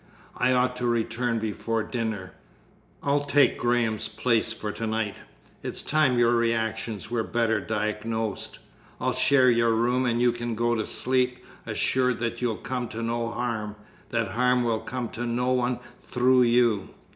I ought to return before dinner. I'll take Graham's place for to night. It's time your reactions were better diagnosed. I'll share your room, and you can go to sleep, assured that you'll come to no harm, that harm will come to no one through you.